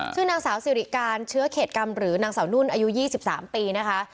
ชื่อนางสาวสิริการเชื้อเขตกรรมหรือนางสาวนุ่นอายุ๒๓ปีนะคะ